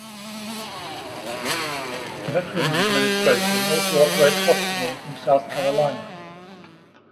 The Veterans Administration also operates hospitals in South Carolina.